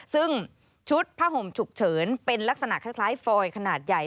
ซึ่งชุดผ้าห่มฉุกเฉินเป็นลักษณะคล้ายฟอยขนาดใหญ่